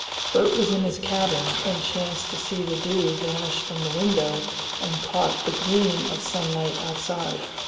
Bert was in his cabin, and chanced to see the dew vanish from the window and caught the gleam of sunlight outside.